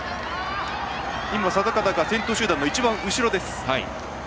定方が先頭集団の一番後ろです。